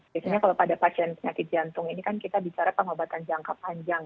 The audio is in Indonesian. biasanya kalau pada pasien penyakit jantung ini kan kita bicara pengobatan jangka panjang